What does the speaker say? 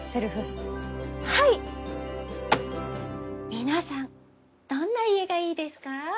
皆さんどんな家がいいですか？